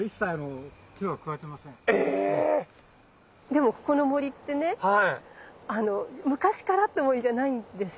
⁉でもここの森ってね昔からあった森じゃないんですよね？